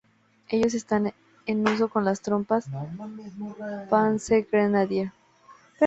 Ellos están en uso con las tropas "Panzergrenadier".